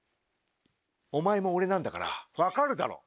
お前も俺なんだから分かるだろ？